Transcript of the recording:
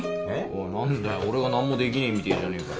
おい何だよ俺が何もできねえみてえじゃねえか。